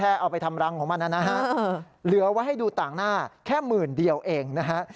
เอาไปทำรังของมันนะฮะเหลือไว้ให้ดูต่างหน้าแค่หมื่นเดียวเองนะฮะ